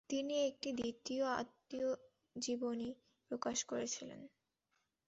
তিনি একটি দ্বিতীয় আত্মজীবনী প্রকাশ করেছিলেন।